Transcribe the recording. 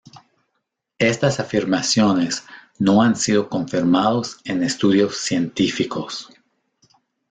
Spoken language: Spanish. Estas afirmaciones no han sido confirmados en estudios científicos.